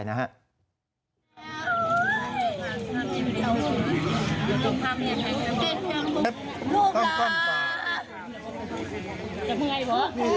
จังใจด้วยจังใจด้วย